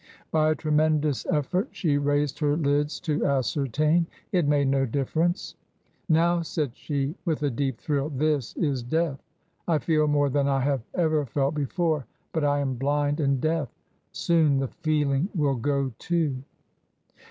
By a tremendous effort she raised her lids to ascertain. It made no difference. " Now," said she, with a deep thrill, " this is Death. I feel more than I have ever felt before. But I am blind and deaf Soon the feeling will go too."